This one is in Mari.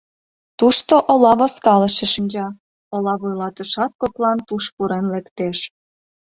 Тушто ола возкалыше шинча, ола вуйлатышат коклан туш пурен лектеш.